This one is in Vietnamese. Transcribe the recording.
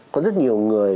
có rất nhiều người